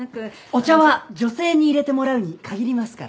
お茶は女性に入れてもらうに限りますからね。